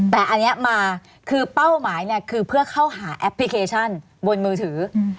แต่อันนี้มาคือเป้าหมายเนี่ยคือเพื่อเข้าหาแอปพลิเคชันบนมือถือ